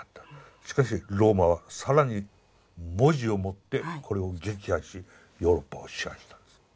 しかしローマは更に文字をもってこれを撃破しヨーロッパを支配したんです。